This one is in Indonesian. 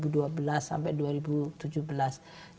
itu adalah kemampuan kita untuk membelanja